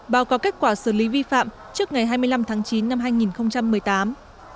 báo cáo kết quả xử lý vi phạm trước ngày hai mươi năm tháng chín năm hai nghìn một mươi tám